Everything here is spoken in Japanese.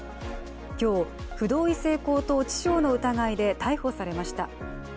今日、不同意性交等致傷の疑いで逮捕されました。